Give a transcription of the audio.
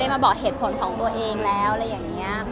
มาบอกเหตุผลของตัวเองแล้วอะไรอย่างนี้